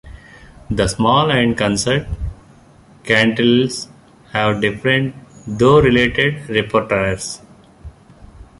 The small and concert kanteles have different, though related, repertoires.